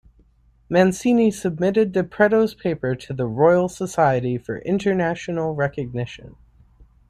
Mancini submitted De Pretto's paper to the Royal Society for international recognition.